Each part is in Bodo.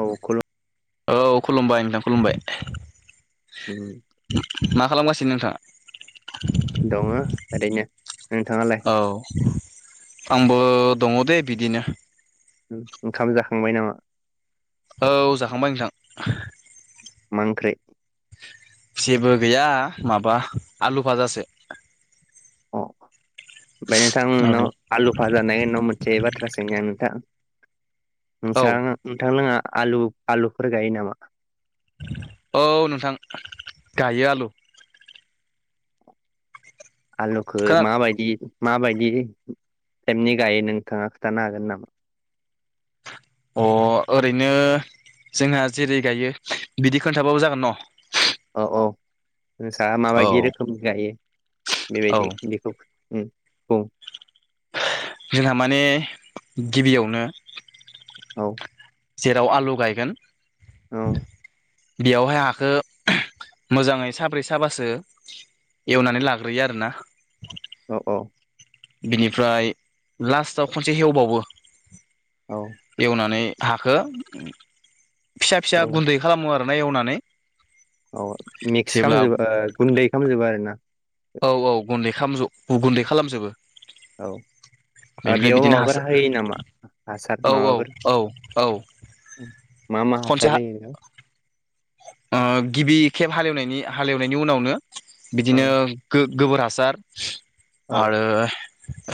औ खल औ खुलुमबाय नोंथां खुलुमबाय। उम। मा खालामगासिनो नोंथाङा दङ ओरैनो नोंथाङालाय औ आंबो दङ दे बिदिनो उम ओंखाम जाखांबाय नामा? औ जाखांबाय नोंथां मा ओंख्रि? जेबो गैया माबा आलु फाजासो अ ओमफ्राय नोंथां औ नोंनाव आलु फाजानि एथ मिथिनाय बाथ्रा सोंगोन औ नोंसा नोंथां मोनहा आलु आलुफोर गायो नामा? औ नोंथां गायो आलु आलुखौ खोना माबायदि माबायदि टाइपनि गायो नोंथाङा खिथानो हागोन नामा? अ ओरैनो जोंहा जेरै गायो बिदि खोन्थाबाबो जागोन न। औ औ नोंसा औ माबायदि रोखोम गायो। औ बेबायदि बेखौ बुं औ जोंहा माने गिबियावनो औ जेराव आलु गायगोन। औ। बेयावहाय हाखो मोजाङै साब्रै साबासो एवनानै लाग्रोयो आरोना। औ औ। बिनिफ्राय लास्टाव खनसे एवबावो औ एवनानै हाखो फिसा फिसा औ गुन्दै खालामो आरो ना एवनानै। औ मिक्स जेब्ला खालामजोब ओ गुन्दै खालामजोबो आरो ना। औ औ गुन्दै खालाम जो गुन्दै खालामजोबो। औ बेनिफ्राय बेयाव बिदिनो माबाफोर हासार हायो नामा? हासार औ औ माबाफोर औ औ मा मा खनसे हासार होयो नोंथां? ओ गिबि खेब हालेवनायनि हालेवनायनि उनावनो औ बिदिनो गो गोबोर हासार औ आरो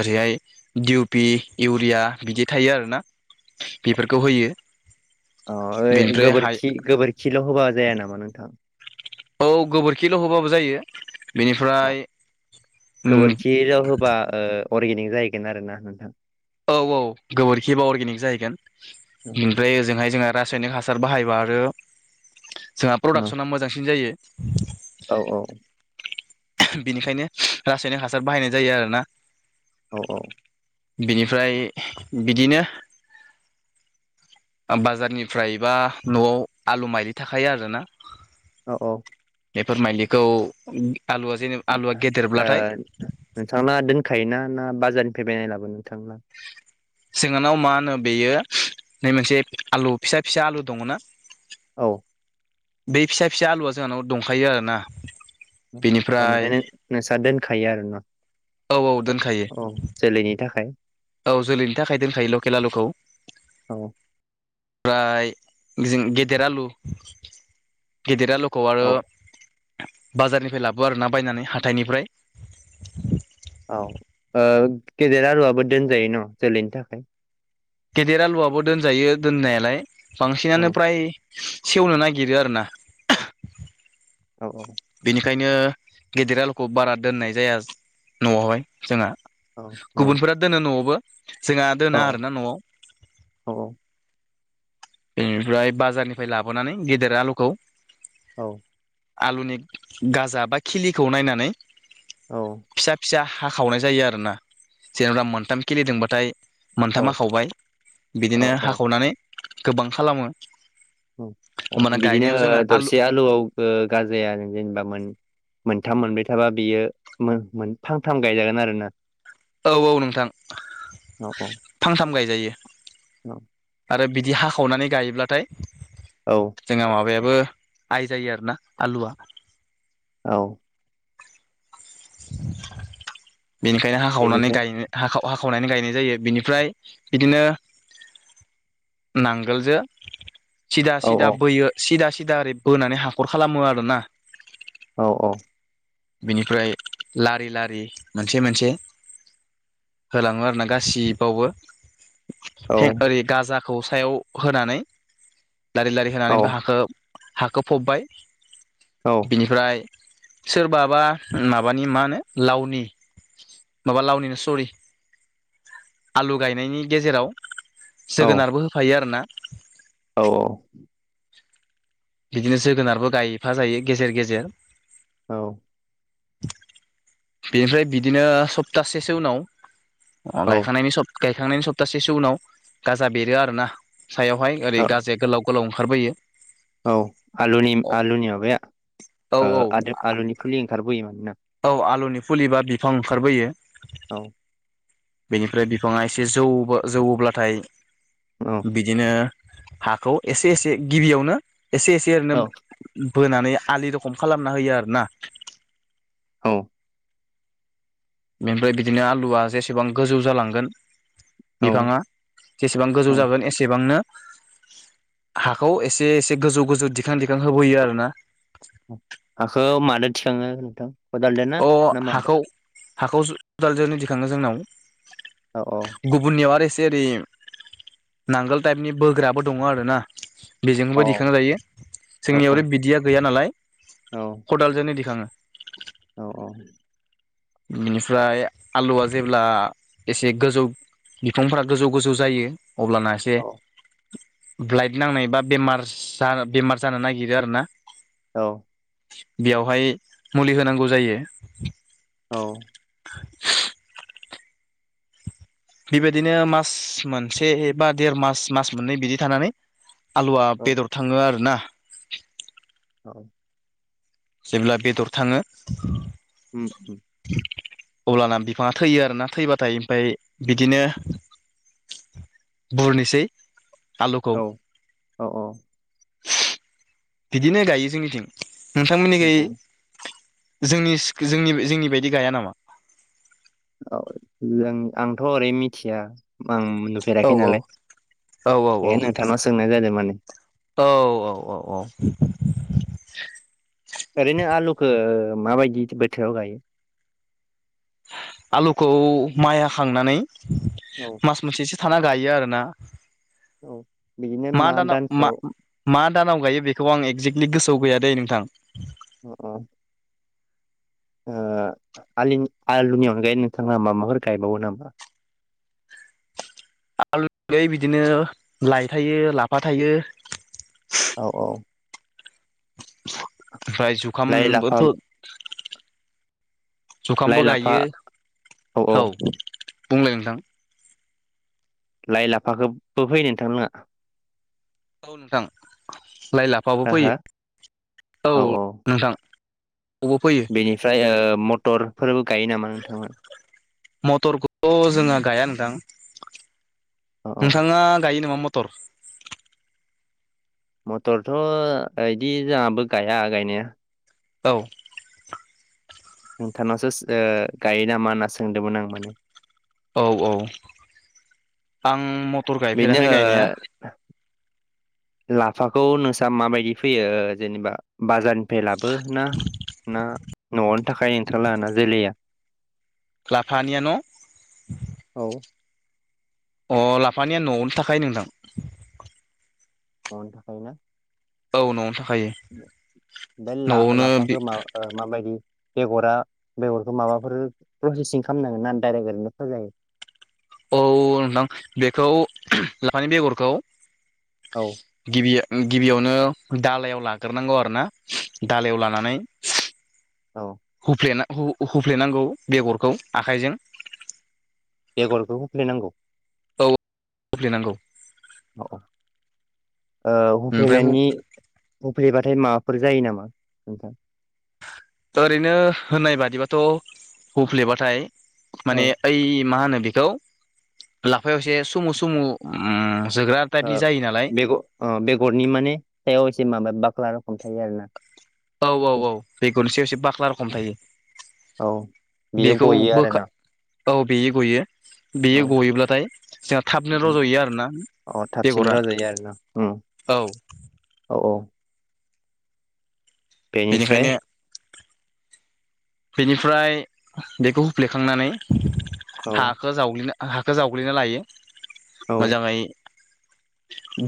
ओरैहाय दिउ पि, इउरिया बिदि थायो आरो ना। बेफोरखौ होयो। अ' ओइ बेनिफ्राय हाय गोबोरखि गोबोरखिल' होबा जाया नामा नोंथां? औ गोबोरखिल' होबाबो जायो। अ' बेनिफ्राय उम गोबोरखिल' होबा ओ अर्गेनिग जाहैगोन आरोना नोंथां। औ औ गोबोरखि बा अर्गेनिक जाहैगोन औ ओमफाय ओजोंहाय जोंहा रासायनिक हासार बाहायबा आरो जोंहा प्रडाक्सना मोजांसिन जायो। औ बिनिखायनो रासायनिक हासार बाहायनाय जायो आरोना। औ औ। बिनिफ्राय बिदिनो बाजारनिफ्राय बा न'आव आलु माइदि थाखायो आरोना। औ औ। बेफोर माइलिखौ आलुआ जेने आलुआ ओ गेदेरब्लाथाय नोंथांना दोनखायोना ना बाजारनिफ्राय बायनाय लाबो नोंथांना? जोंहानाव मा होनो बेयो नै मोनसे आलु फिसा फिसा आलु दङ' ना? औ बे फिसा फिसा आलुआ जोंहानाव दंखायो आरोना। उम मा बेनिफ्राय माने नों नोंस्रा दोनखायो आरो ना? औ औ दोनखायो औ जोलैनि थाखाय। औ जोलैनि थाखाय दोनखायो लकेल आलुखौ। औ ओमफ्राय जों गेदेर आलु, गेदेर आलु खौ आरो औ बाजारनिफ्राय लाबो आरोना बायनानै हाथाइनिफ्राय। औ ओ गेदेर आलुआबो दोनजायो न' जोलैनि थाखाय? गेदेर आलुआबो दोनजायो दोननायालाय बांसिनानो औ फ्राय सेवनो नागिरो आरो ना। औ औ। बेनिखायनो गेदेर आलुखौ बारा दोननाय जाया न'आवहाय जोंहा। औ औ गुबुनफोरा दोनो न'आवबो जोंहा औ दोना आरोना न'आव। औ बेनिफ्राय बाजारनिफ्राय लाबोनानै गेदेर आलुखौ औ। आलुनि गाजा बा खिलिखौ नायनानै फिसा फिसा हाखावनाय जायो आरोना जेनेबा मोनथाम खिलिदोंबाथाय मोनथाम हाखावबाय बिदिनो औ हाखावनानै गोबां खालामो। होमबाना उम बिदिनो गायनायाव जोंहा आलु दरसे आलुआव ओ गाजाया जेनेबा मोन मोनथाम मोनब्रै थाबा बियो मोन मोन फांथाम गायजागोन आरोना? औ औ नोंथां औ औ फांथाम गायजायो। [unintelligible] आरो बिदि हाखावनानै गायोब्लाथाय औ जोंहा माबाया बो आइ जायो आरोना आलुआ। औ बेनिखायनो हाखावनानै बेनिफ्राय हाखावनानै गायनाय जायो बिनिफ्राय बिदिनो नांगोलजों सिदा औ सिदा औ बोयो सिदा सिदा ओरै बोनानै हाखर खालामो आरोना। औ औ बिनिफ्राय लारि लारि मोनसे मोनसे होलाङो आरो ना गासिबावबो औ ओरै गाजाखौ सायाव होनानै लारि लारि औ होनानै बे हाखौ हाखौ फबबाय औ बिनिफ्राय सोरबाबा मा बानि मा होनो लाउनि माबा लाउनिनो सरि आलु गायनायनि गेजेराव औ जोगोनारबो होफायो आरोना। औ बिदिनो जोगोनारबो गायफा जायो गेजेर गेजेर। औ बेनिफ्राय बिदिनो सप्तासेसो उनाव अ औ गायखांनायनि गायखांनायनि सप्तासेसो उनाव गाजा बेरो आरोना। सायावहाय ओरै गाजाया गोलाव गोलाव ओंखारबोयो औ आलुनि औ आलुनि माबाया औ ओ आलुनि फुलि ओंखारबोयो माने? औ आलुनि फुलिबा बिफां ओंखारबोयो। औ बेनिफ्राय बिफाङा एसे जौ जौवोब्लाथाय औ बिदिनो हाखौ एसे एसे गिबियावनो एसे एसे ओरैनो औ बोनानै आलि रखम खालामना होयो आरोना। औ बेनिफ्राय बिदिनो आलुआ जेसेबां गोजौ जालांगोन औ बिफाङा जेसेबां गोजौ औ जागोन एसेबांनो हाखौ एसे एसे गोजौ गोजौ दिखां दिखां होबोयो आरो ना। मिथिखाङो नोंथां। खदालजों ना अ ना मादो हाखौ हाखौ जों खदालजोंनो दिखाङो जोंनाव औ । गुबुननियाव आरो एसे जेरै नांगोल टाइपनि बोग्राबो दङ आरो ना। औ बेजोंबो दिखां जायो औ औ ।जोंनियाव आरो बिदिया गैया नालाय खदालजोंनो दिखाङो। औ औ बेनिफ्राय आलुआ जेब्ला एसे गोजौ बिफांफोरा गोजौ गोजौ जायो अब्लाना एसे औ ब्लाइड नांनायबा बेमारस बेमार जानो नागिरो आरो ना। औ बेयावहाय मुलि होनांगौ जायो। औ [inaudible] बेबायदिनो मास मोनसे बा देर मास मास मोननै बिदि थानानै आलुआ औ बेदर थाङो आरो ना। औ जेब्ला बेदर थाङो उम अब्लाना बिफाङा थैयो आरोना थैबाथाय ओमफ्राय बिदिनो बरनिसै औ औ औ। बिदिनो गायो जोंनिथिं। नोंथांमोननि औ खै औ जोंनि जोंनि जोंनि बायदि गाया नामा औ जों आंथ ओरै मिथिया आं औ नुफेराखै औ नालाय औ औ बे नोंथांनाव सोंनाय जादों माने औ औ औ औ ओरैनो आलुखौ माबायदि बोथोराव गायो आलुखौ माइ हाखांनानै औ मास मोनसेसो साना गायो आरोना औ बिदिनो मा दानाव मा दानसेयाव मा दानाव गायो बेखौ आं एगजेक्टलि गोसोआव गैया दै नोंथां अ अ ओ आलिनि आलुनि अनगायै नोंथांआ माबाफोर गायबावो नामा ! ! ! आलु बिदिनो लाइ थायो लाफा थायो औ औ ओमफ्राय लाइ लाफा जुखामबोथ जुखामबो लाइ लाफा गायो औ बुंलाय नोंथां लाइ लाफाखोबो फोयो नोंथां लांआ औ नोंथां लाइ लाफाबो हो हो फैयो औ नोंथां खौबो फैयो बेनिफ्राय ओ मटरफोरबो गायो नामा नोंथांमोनहा मटरखौथ जोंङा गाया नोंथां औ औ नोंथाङा गायो नामा मटर तर मटरथ इदि जोंहाबो गाया गायनाया औ नोंथांनावसो ओ गायो नामा होनना सोंदोंमोन आं माने औ औ आं म बिदिनो ओ लाफाखौ नोंसा माबायदि फैयो जेनेबा बाजारनि फायलाबो ना ना नआवनो थाखायो नोंथां लानिया जोलैया लाफानिया न औ अ लाफानिया नआवनो थाखायो नोंथां नआवनो थाखायोना औ नआवनो था बे ला लाफाखो मा ओ माबायदि बेगरा बेगरखौ माबाफोर प्रसेसिं खालामनांगोन ना डाइरेक्ट ओरैनो फोजायो औ नोंथां बेखौ लाफानि बेगरखौ औ गिबिया गिबियावनो दालायाव लाग्रोनांगौ आरोना दालायाव लानानै औ हुफ्ले हुफ्लेनांगौ बेगरखौ आखाइजों बेगरखौ हुफ्लेनांगौ औ हुफ्लेनांगौ‌ ओ ओमफ्राय हुफ्लेनायनि हुफ्लेबाथाय माबाफोर जायो नामा नोंथां ओरैनो होननाय बादिबाथ हुफ्लेबाथाय औ माने ओइ मा होनो बेखौ लाफायावसे सुमु सुमु जोग्रा ओ टाइपनि जायो नालाय बेगर ओ बेगरनि माने सायाव एसे माबा बाख्ला रखम थायो आरोना औ औ औ बेगरनि सायाव एसे बाख्ला रखम थायो औ बियो बेखौ गयो बोखा आरोना औ बेयो गयो बेयो औ गयोब्लाथाय जोंहा थाबनो रजयो आरोना अ थाबसिन बेगरा रज'यो आरोना उम औ औ औ बेनिफ्राय बेनिखायनो बेनिफ्राय बेखौ हुफ्लेखांनानै औ हाखौ जावग्लिनो हाखखौ जावग्लिना लायो औ मोजाङै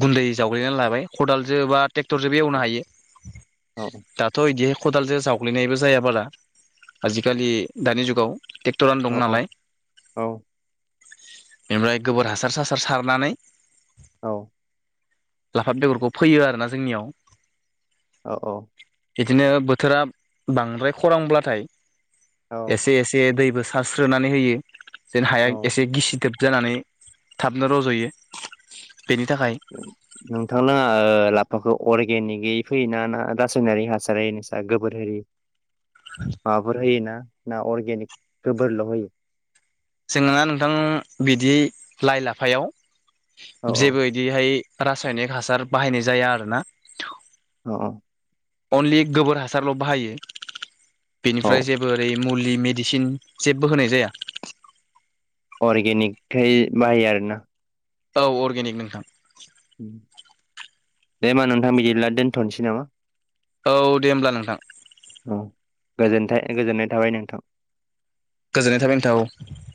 गुन्दै जावग्लिनानै लाबाय खदालजों बा ट्रेक्टरजोंबो एवनो हायो। औ दाथ' इदिहाय खदालजों जावग्लिनायबो जायाबारा आजिखालि दानि जुगाव। ट्रेक्टरानो औ दं औ नालाय। औ बेनिफ्राय गोबोर हासार सासार सारनानै औ। लाफा बेगरखौ फैयो आरोना जोंनियाव। औ औ। बिदिनो बोथोरा बांद्राय खरांब्लाथाय औ एसे एसे दै बो सारस्रोनानै होयो जेन हाया औ एसे गिसिदोब जानानै थाबनो रज'यो। बेनि थाखाय नोंथांना ओ लाफ फाखौ अर्गेनिकयै फैयोना ना रासायनारि हासारै नोंसा गोबोर होयो। माबाफोर होयोना ना अर्गेनिक गोबोरल' होयो। जोंना नोंथां बिदि लाइ लाफायाव औ जेबो बिदिहाय रासायनिक हासार बाहायनाय जाया आरोना। औ औ। अनलि गोबोर हासारल' बाहायो बेनिफ्राय जेबो ओरै मुलि मेडिसिन जेबो होनाय जाया। अरगेनिकखाय बाहायो आरो ना। औ अर्गेनिक नोंथां। दे होमबा नोंथां बिदिब्ला दोनथ'नोसै नामा। औ दे होमब्ला नोंथां। औ गोजोनथों गोजोननाय थाबाय नोंथां। गोजोननाय थाबाय नोंथां औ।